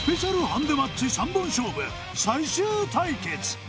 ＳＰハンデマッチ３本勝負最終対決！